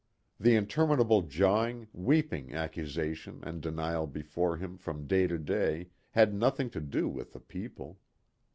The interminable jawing, weeping, accusation and denial before him from day to day had nothing to do with the people.